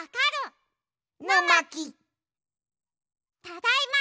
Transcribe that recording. ただいま！